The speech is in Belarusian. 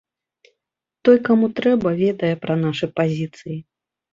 Той, каму трэба, ведае пра нашы пазіцыі.